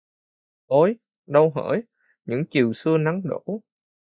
Ôi! Đâu hỡi? Những chiều xưa nắng đổ